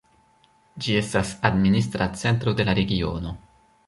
Ĝi estas administra centro de la regiono.